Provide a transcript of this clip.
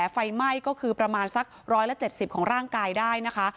ไฟไหม้ก็คือประมาณสักร้อยละเจ็ดสิบของร่างกายได้นะคะ